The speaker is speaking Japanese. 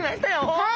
はい！